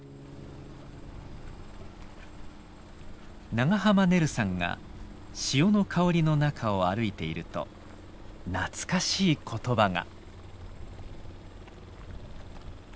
長濱ねるさんが潮の香りの中を歩いていると懐かしい言葉が。